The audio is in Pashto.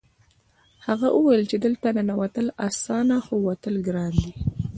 هغه وویل چې دلته ننوتل اسانه خو وتل ګران دي